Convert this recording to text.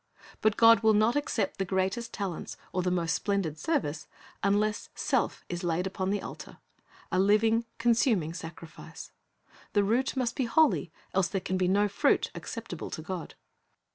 But God will not accept the greatest talents or the most splendid service unless self is laid upon the altar, a living, consuming sacrifice. The root must be holy, else there can be no fruit acceptable to God.